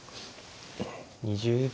２０秒。